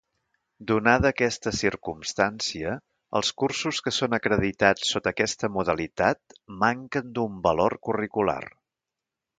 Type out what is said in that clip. Donada aquesta circumstància, els cursos que són acreditats sota aquesta modalitat manquen d'un valor curricular.